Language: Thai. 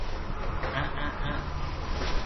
อ๊ะ อ๊ะ อ๊ะ